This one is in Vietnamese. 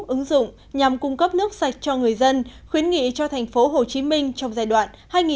ứng dụng nhằm cung cấp nước sạch cho người dân khuyến nghị cho thành phố hồ chí minh trong giai đoạn hai nghìn một mươi chín hai nghìn ba mươi năm